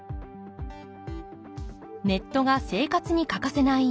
ネットが生活に欠かせない